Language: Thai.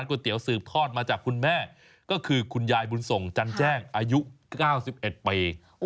เตี๋ยสืบทอดมาจากคุณแม่ก็คือคุณยายบุญส่งจันแจ้งอายุ๙๑ปี